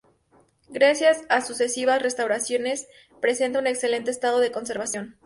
Gracias a sucesivas restauraciones, presenta un excelente estado de conservación.